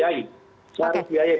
saya harus biayai